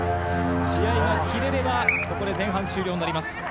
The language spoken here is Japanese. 試合が切れれば、ここで前半終了になります。